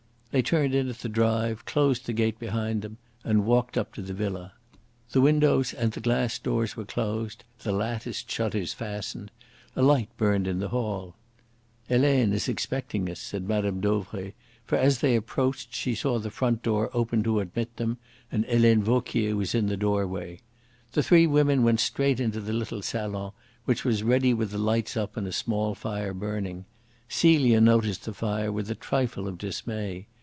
They turned in at the drive, closed the gate behind them, and walked up to the villa. The windows and the glass doors were closed, the latticed shutters fastened. A light burned in the hall. "Helene is expecting us," said Mme. Dauvray, for as they approached she saw the front door open to admit them, and Helene Vauquier in the doorway. The three women went straight into the little salon, which was ready with the lights up and a small fire burning. Celia noticed the fire with a trifle of dismay.